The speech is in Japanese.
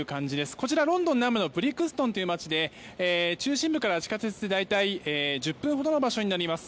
こちら、ロンドンブリクストンという街では中心部から地下鉄で大体１０分ほどの場所になります。